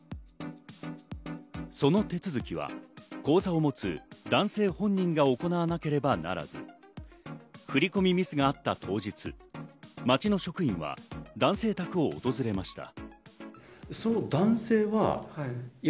その手続きは口座を持つ男性本人が行わなければならず、振り込みミスがあった当日、町の職員は男性宅を訪れました。